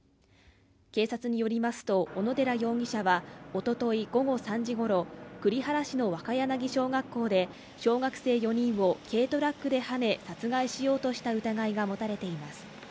警察によりますと小野寺容疑者は、おととい午後３時ごろ栗原市の若柳小学校で小学生４人を軽トラックではね、殺害しようとした疑いが持たれています